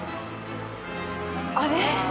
あれ？